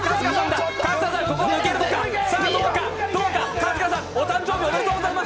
春日さん、お誕生日おめでとうございます。